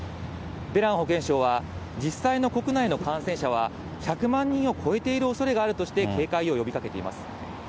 ベラン保健相は、実際の国内の感染者は、１００万人を超えているおそれがあるとして、警戒を呼びかけています。